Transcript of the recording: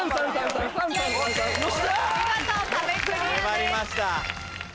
粘りました。